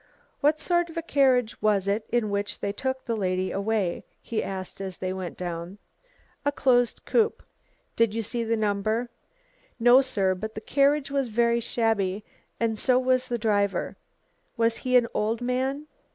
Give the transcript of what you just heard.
"What sort of a carriage was it in which they took the lady away?" he asked as they went down. "A closed coupe." "Did you see the number?" "No, sir. But the carriage was very shabby and so was the driver." "Was he an old man?"